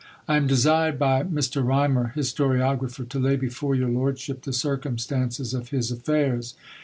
"I am desired by Mr. Rymer, historiographer, to lay before your lordship the circumstances of his affairs.